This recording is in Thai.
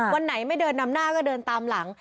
วันไหนไม่เดินนำหน้าก็เดินตามหลัง